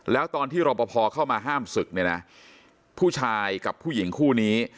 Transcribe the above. แล้วตอนที่รอปภเข้ามาห้ามศึกเนี่ยนะผู้ชายกับผู้หญิงคู่นี้